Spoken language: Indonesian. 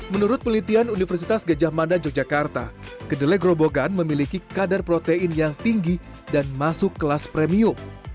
menurut pelitian universitas gejah mada yogyakarta kedelai gerobogan memiliki kadar protein yang tinggi dan masuk kelas premium